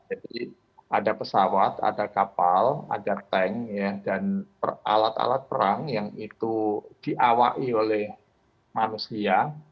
jadi ada pesawat ada kapal ada tank dan alat alat perang yang itu diawai oleh manusia